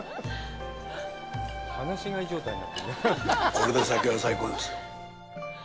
これで酒は最高ですよ。